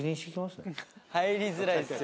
入りづらいですよ。